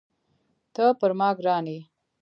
ته پر ما ګران یې.